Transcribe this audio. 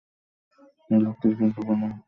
এই লোকটির কি কোনো বুদ্ধিাশুদ্ধি নেই?